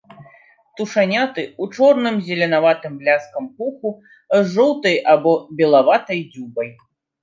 Птушаняты ў чорным з зеленаватым бляскам пуху, з жоўтай або белаватай дзюбай.